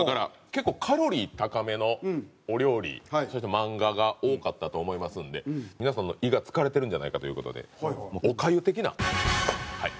結構カロリー高めのお料理そして漫画が多かったと思いますので皆さんの胃が疲れてるんじゃないかという事でもうおかゆ的なはい